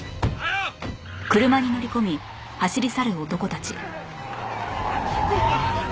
あっ。